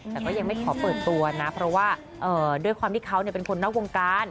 แต่ก็ยังไม่ขอเปิดตัวนะเพราะว่าด้วยความที่เขาเป็นคนนอกวงการ